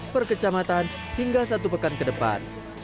per kecamatan hingga satu pekan ke depan